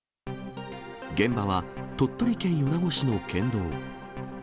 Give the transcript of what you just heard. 現場は鳥取県米子市の県道。